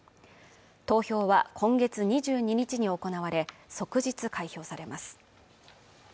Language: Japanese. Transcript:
投票は今月２２日に行われ即日開票されます